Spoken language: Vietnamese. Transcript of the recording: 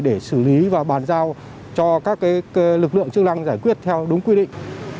để xử lý và bàn giao cho các lực lượng chức năng giải quyết theo đúng quy định